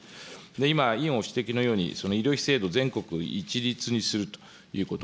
今、委員ご指摘のように医療費制度、全国一律にするということ。